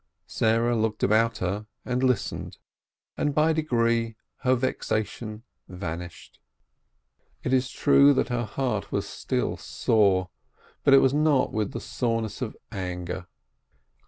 Sarah looked about her and listened, and A PICNIC 363 by degrees her vexation vanished. It is true that her heart was still sore, but it was not with the soreness of anger.